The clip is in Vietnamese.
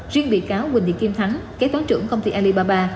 riêng bị cáo huỳnh thị kim thắng kế toán trưởng công ty alibaba